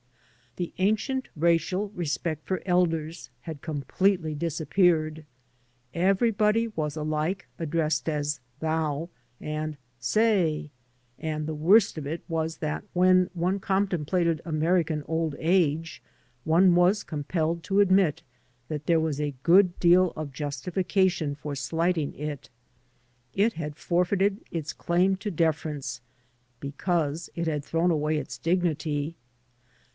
The ancient racial respect for elders had completely disappeared. Everybody was alike addressed as "thou" and "say"; and the worst of it was that when one contemplated American old age one was compelled to admit that there was a good deal of justification for slighting it. It had forfeited its claim to (Reference because it had thrown away its dignity.